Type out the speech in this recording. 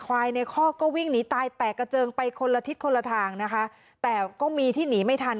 ควายในคอกก็วิ่งหนีตายแตกกระเจิงไปคนละทิศคนละทางนะคะแต่ก็มีที่หนีไม่ทัน